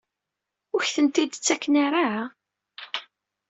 Ur ak-tent-id-ttaken ara?